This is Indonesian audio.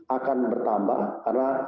akan bertambah karena